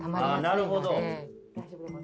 なるほど。